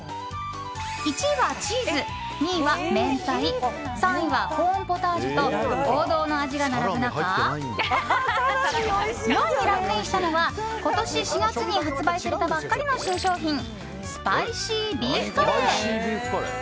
１位はチーズ、２位はめんたい３位はコーンポタージュと王道の味が並ぶ中４位にランクインしたのは今年４月に発売されたばかりの新商品スパイシービーフカレー。